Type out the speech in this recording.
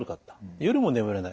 夜も眠れない。